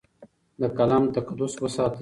د قلم تقدس وساتئ.